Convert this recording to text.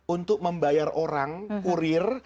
untuk membayar orang kurir